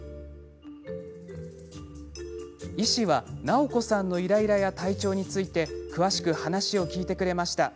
医師は直子さんのイライラや体調について詳しく話を聞いてくれました。